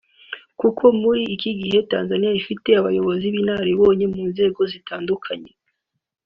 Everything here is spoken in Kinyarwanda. kuko muri iki gihe Tanzania ifite abayobozi b’inararibonye mu nzego zitandukanye